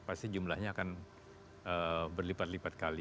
pasti jumlahnya akan berlipat lipat kali